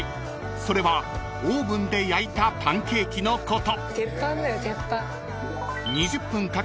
それはオーブンで焼いたパンケーキのこと］